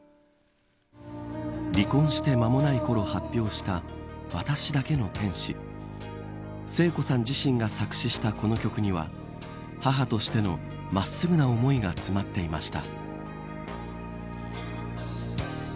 離婚して、間もないころ発表した私だけの天使Ａｎｇｅｌ聖子さん自身が作詞したこの曲には母としての真っすぐな思いが詰まっていました。